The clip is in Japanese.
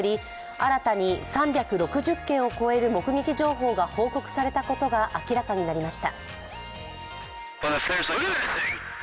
新たに３６０件を超える目撃情報が報告されたことが明らかになりました。